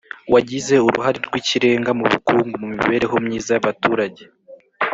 wagize uruhare rw’ikirenga mu bukungu, mu mibereho myiza y’abaturage